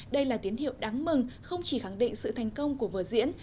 đây là tín hiệu đáng mừng không chỉ khẳng định sự thành công của vở diễn